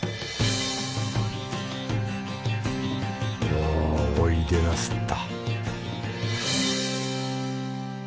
おぉおいでなすった